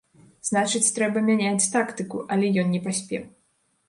Значыць, трэба мяняць тактыку, але ён не паспеў.